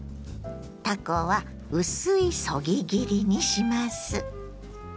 たこは薄いそぎ切りにします。